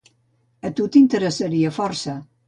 A tu t'interessaria força.